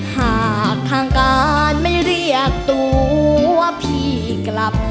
หากทางการไม่เรียกตัวว่าพี่กลับ